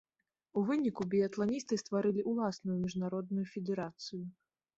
У выніку біятланісты стварылі ўласную міжнародную федэрацыю.